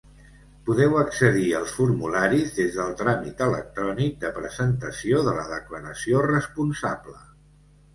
Podeu accedir als formularis des del tràmit electrònic de presentació de la Declaració Responsable.